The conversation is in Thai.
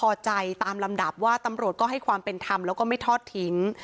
พอใจตามลำดับว่าตำรวจก็ให้ความเป็นธรรมแล้วก็ไม่ทอดทิ้ง